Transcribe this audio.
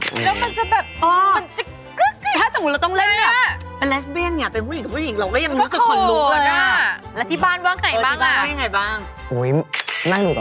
แล้วมันจะแบบ